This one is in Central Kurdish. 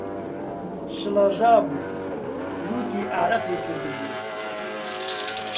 شڵەژابوو، لووتی ئارەقی کردبوو